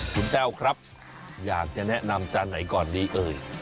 คุณแต้วครับอยากจะแนะนำจานไหนก่อนดีเอ่ย